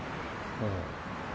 ああ。